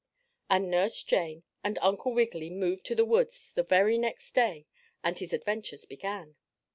And Nurse Jane and Uncle Wiggily moved to the woods very next day and his adventures began.